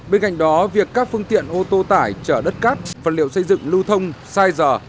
bên cạnh đó việc các phương tiện ô tô tải chở đất cát vật liệu xây dựng lưu thông sai giờ